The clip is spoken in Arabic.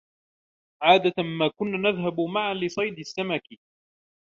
عادة ما كنا نذهب معا لصيد السمك.